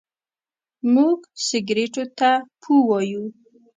موږ سګرېټو ته پو وايو.